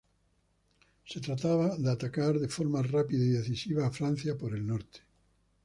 Se trataba de atacar de forma rápida y decisiva a Francia por el norte.